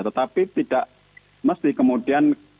tetapi tidak kemudian